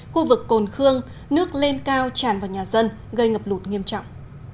khu vực cồn khương nước lên cao tràn vào nhà dân gây ngập lụt nghiêm trọng